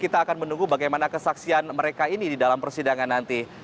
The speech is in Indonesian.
kita akan menunggu bagaimana kesaksian mereka ini di dalam persidangan nanti